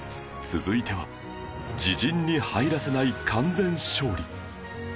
続いては自陣に入らせない完全勝利